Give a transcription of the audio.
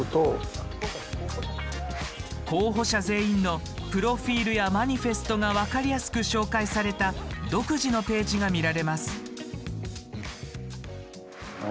候補者全員のプロフィールやマニフェストが分かりやすく紹介された独自のページが見られます。